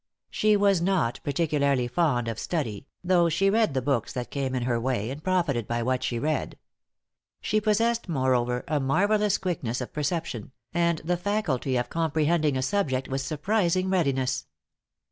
She was not particularly fond of study, though she read the books that came in her way, and profited by what she read. She possessed, moreover, a marvellous quickness of perception, and the faculty of comprehending a subject with surprising readiness.